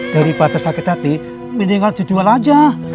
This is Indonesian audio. daripada sakit hati minimal dijual aja